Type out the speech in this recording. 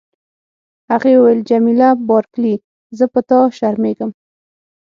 هغې وویل: جميله بارکلي، زه په تا شرمیږم.